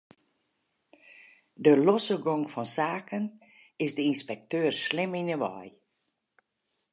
De losse gong fan saken is de ynspekteur slim yn 'e wei.